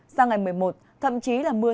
sang ngày một mươi một thậm chí là mưa